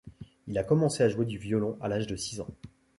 Il a commencé à jouer du violon à l'âge de six ans.